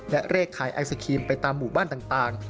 และเลขขายไอศครีมไปตามหมู่บ้านต่าง